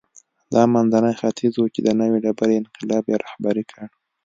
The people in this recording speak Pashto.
دا منځنی ختیځ و چې د نوې ډبرې انقلاب یې رهبري کړ.